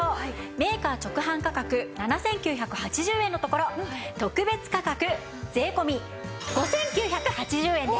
メーカー直販価格７９８０円のところ特別価格税込５９８０円です。